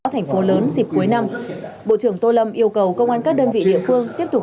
thành phố lớn dịp cuối năm bộ trưởng tô lâm yêu cầu công an các đơn vị địa phương tiếp tục